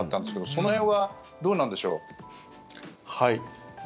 その辺はどうなんでしょう？